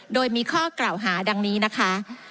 โดยมีข้อกล่าวหาดังนี้นะคะ